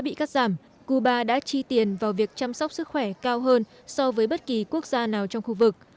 bị cắt giảm cuba đã chi tiền vào việc chăm sóc sức khỏe cao hơn so với bất kỳ quốc gia nào trong khu vực